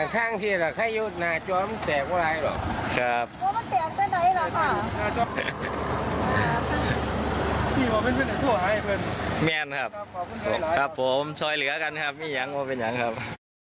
ครับผมซอยเหลือกันครับมีอย่างมอบเป็นอย่างครับ